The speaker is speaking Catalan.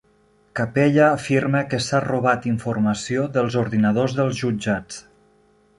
Capella afirma que s'ha robat informació dels ordinadors dels jutjats